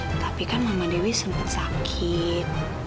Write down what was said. tetapi kan mama dewi sempat sakit